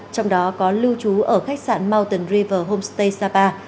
trong đó có lưu trú ở khách sạn motton river homestay sapa